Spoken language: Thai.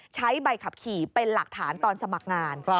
ใช้ใบขับขี่เป็นหลักฐานตอนสมัครงาน